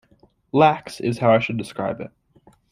Lax, is how I should describe it.